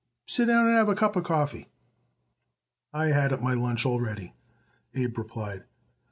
"Sit down and have a cup of coffee." "I had it my lunch already," Abe replied.